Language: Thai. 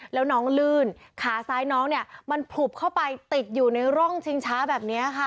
แล้วน้องลื่นขาซ้ายน้องเนี่ยมันผลุบเข้าไปติดอยู่ในร่องชิงช้าแบบนี้ค่ะ